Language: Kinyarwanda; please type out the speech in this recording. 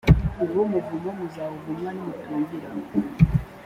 uwo muvumo muzawuvumwa nimutumvira